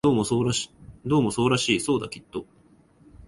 どうもそうらしい、そうだ、きっと